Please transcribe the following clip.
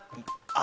あ！